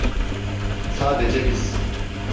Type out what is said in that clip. Sadece biz.